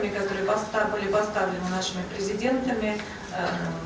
berdasarkan tujuan yang diberikan oleh presiden kita